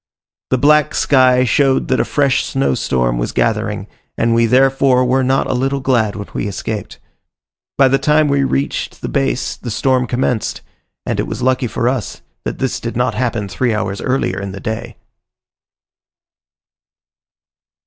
The black sky showed that a fresh snow storm was gathering, and we therefore were not a little glad when we escaped. By the time we reached the base the storm commenced, and it was lucky for us that this did not happen three hours earlier in the day.